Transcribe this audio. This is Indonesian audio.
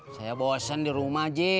saya bosen di rumah ji